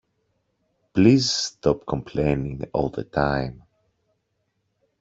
Please stop complaining all the time!